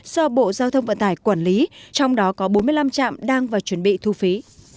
do bộ giao thông vận tải quản lý trong đó có bốn mươi năm trạm đang và chuẩn bị thu phí